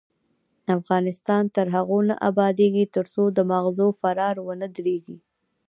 افغانستان تر هغو نه ابادیږي، ترڅو د ماغزو فرار ونه دریږي.